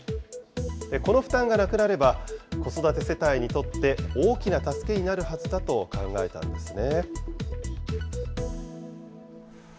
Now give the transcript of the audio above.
この負担がなくなれば、子育て世帯にとって大きな助けになるはずだと考えたんですね。